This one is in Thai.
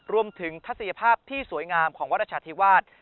ทัศนียภาพที่สวยงามของวัดราชาธิวาส